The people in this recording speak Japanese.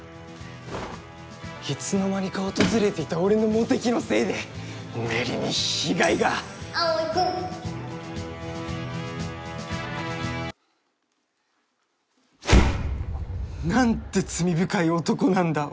いつの間にか訪れていた俺のモテ期のせいで芽李に被害が葵君なんて罪深い男なんだ俺は怖っ